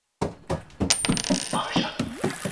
ایا له غوسې ډک کلام د انسان روح ته زیان رسوي؟